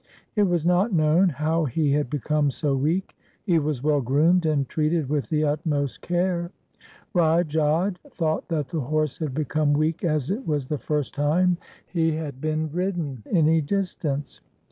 It was not known how he had become so weak. He was well groomed and treated with the utmost care. Rai Jodh thought that the horse had become weak as it was the first time he had been ridden any distance.